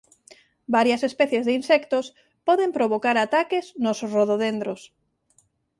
Varias especies de insectos poden provocar ataques nos rododendros.